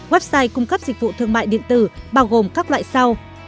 website cung cấp dịch vụ thương mại điện tử bao gồm các loại sau